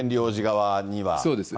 そうです。